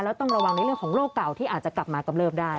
แล้วต้องระวังในเรื่องของโรคเก่าที่อาจจะกลับมากำเริบได้